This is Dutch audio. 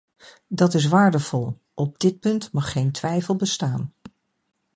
Dat is waardevol; op dit punt mag geen twijfel bestaan.